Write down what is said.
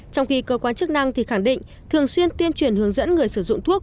trong khi cơ quan chức năng thì khẳng định thường xuyên tuyên truyền hướng dẫn người sử dụng thuốc